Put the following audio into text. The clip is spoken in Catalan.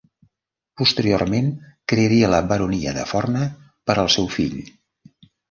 Posteriorment crearia la baronia de Forna per al seu fill.